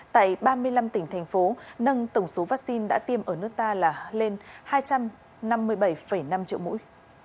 tại ba mươi năm tỉnh thành phố nâng tổng số vaccine đã tiêm ở nước ta là lên hai trăm năm mươi bảy năm triệu mũi